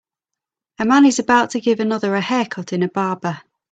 A man is about to give another a haircut in a barber.